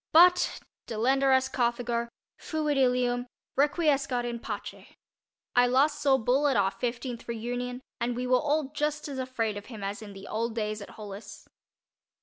But Delenda est Carthago—fuit Ilium—Requiescat in pace. I last saw "Bull" at our fifteenth reunion and we were all just as afraid of him as in the old days at Hollis.